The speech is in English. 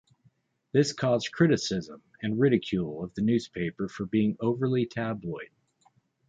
This caused criticism and ridicule of the newspaper for being overly tabloid.